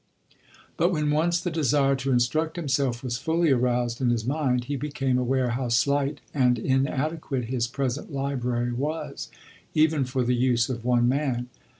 But when once the desire to instruct himself was fully aroused in his mind, he became aware how slight and inadequate his present library was, even for the use of one man.